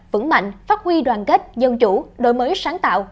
vững mạnh phát huy đoàn kết dân chủ đổi mới sáng tạo